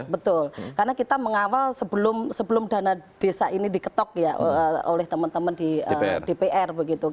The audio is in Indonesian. betul karena kita mengawal sebelum dana desa ini diketok ya oleh teman teman di dpr